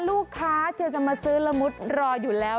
ลูกค้าที่จะมาซื้อละมุดรออยู่แล้ว